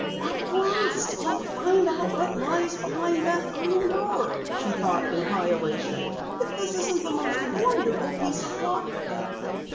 "At last I'll find out what lies behind that Green Door," she thought in high elation. "If this isn't the most wonderful piece of luck!"